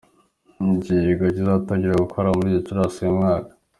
Ni ikigega kizatangira gukora muri Gicurasi uyu mwaka.